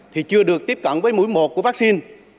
thì chưa được tiếp cận với mũi một của vaccine